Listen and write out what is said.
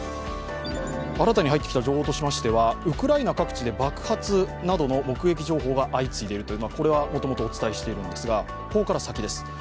新たに入ってきた情報としましてはウクライナ各地で爆発などの目撃情報が相次いでいるというこれはもともとお伝えしているんですが、ここから先です。